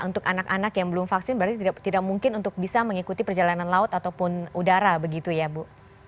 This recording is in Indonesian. untuk anak anak yang belum vaksin berarti tidak mungkin untuk bisa mengikuti perjalanan laut ataupun udara begitu ya bu